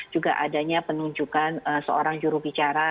juga adanya penunjukan seorang jurubicara